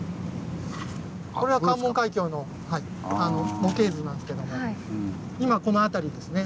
これは関門海峡の模型図なんですけども今この辺りですね。